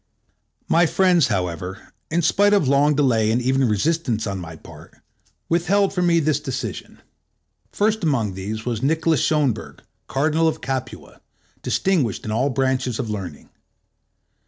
My friends, however, in spite of long delay and even resistance on my part, withheld me from this decision. First among these was Nicolaus Schonberg, Cardinal of Capua, distinguished in all branches of learning.